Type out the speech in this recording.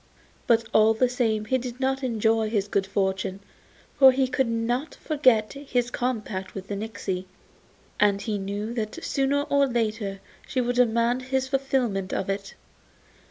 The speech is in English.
But all the same he did not enjoy his good fortune, for he could not forget his compact with the nixy, and he knew that sooner or later she would demand his fulfilment of it.